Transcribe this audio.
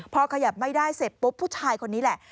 พอขยับไม่ได้เสร็จปุ๊บผู้ชายคนนี้แหละ